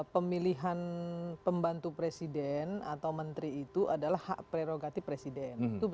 pemilihan pembantu presiden atau menteri itu adalah hak prerogatif presiden